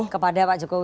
kepada pak jokowi